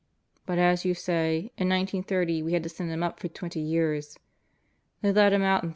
But, as you say, in 1930 we had to send him up for twenty years. They let him out in '37.